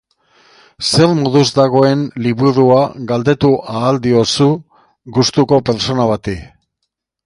Zer moduz dagoen liburua galdetu ahal diozu gustuko pertsona bati.